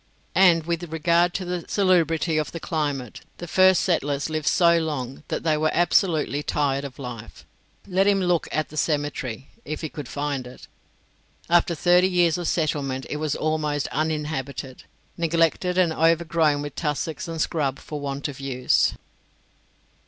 And with regard to the salubrity of the climate, the first settlers lived so long that they were absolutely tired of life. Let him look at the cemetery, if he could find it. After thirty years of settlement it was almost uninhabited neglected and overgrown with tussocks and scrub for want of use.